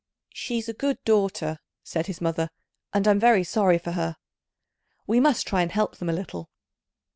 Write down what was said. "She's a good daughter," said his mother, "and I'm very sorry for her. We must try and help them a little."